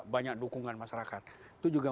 banyak dukungan masyarakat itu juga